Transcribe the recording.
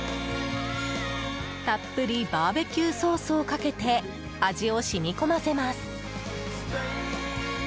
たっぷりバーベキューソースをかけて味を染み込ませます。